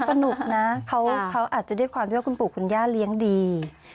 สนุกนะเขาอาจจะด้วยความที่ว่าคุณปู่คุณย่าเลี้ยงดี